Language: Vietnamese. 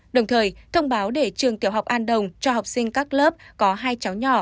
đồng thời thông báo để trường tiểu học an đồng cho học sinh các lớp có hai cháu nhỏ